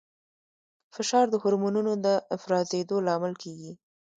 فشار د هورمونونو د افرازېدو لامل کېږي.